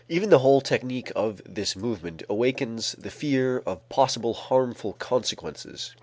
Even the whole technique of this movement awakens the fear of possible harmful consequences.